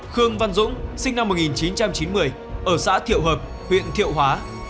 khương văn dũng sinh năm một nghìn chín trăm chín mươi ở xã thiệu hợp huyện thiệu hóa